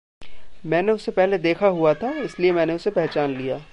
मैंने उसे पहले देखा हुआ था, इसलिए मैंने उसे पहचान लिया।